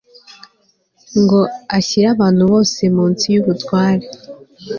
ngo ashyire abantu bose munsi yubutware